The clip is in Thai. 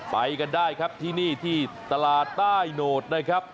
ไปกันได้ครับที่นี่ที่ตลาดใต้โหนดนะครับ